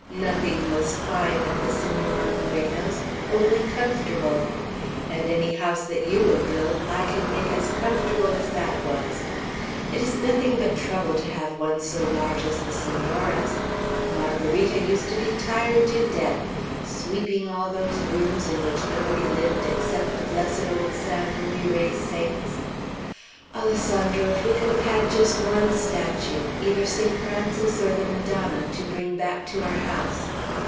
Nothing was fine at the Senora Moreno's, only comfortable; and any house you will build, I can make as comfortable as that was; it is nothing but trouble to have one so large as the Senora's. Margarita used to be tired to death, sweeping all those rooms in which nobody lived except the blessed old San Luis Rey saints. Alessandro, if we could have had just one statue, either Saint Francis or the Madonna, to bring back to our house!